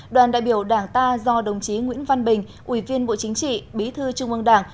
đoàn đại biểu đảng ta do đồng chí nguyễn văn bình ủy viên bộ chính trị bí thư trung ương đảng